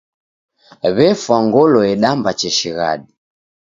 W'efwa ngolo edamba cheshighadi.